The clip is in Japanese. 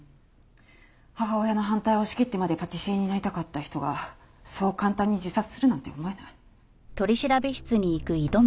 母親の反対を押し切ってまでパティシエになりたかった人がそう簡単に自殺するなんて思えない。